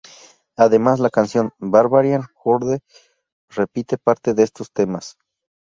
Además, la canción "Barbarian Horde" repite parte de estos temas.